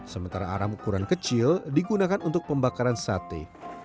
sementara arang ukuran kecil digunakan untuk pembakaran sate